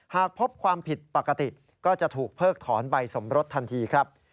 หากพบความผิดปกติก็จะถูกเพิกถอนใบสมรสทันทีครับ